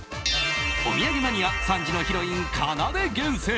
お土産マニア３時のヒロイン、かなで厳選！